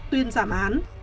tuyên giảm án